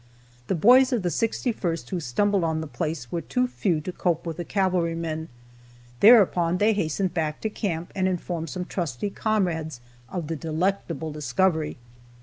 The boys of the 61st who stumbled on the place were too few to cope with the cavalrymen; thereupon they hastened back to camp and informed some trusty comrades of the delectable discovery.